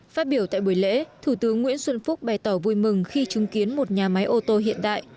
phát biểu tại buổi lễ thủ tướng nguyễn xuân phúc bày tỏ vui mừng khi chứng kiến một nhà máy ô tô hiện đại